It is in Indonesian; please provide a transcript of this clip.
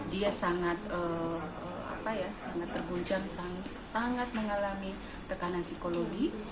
dia sangat terguncang sangat mengalami tekanan psikologi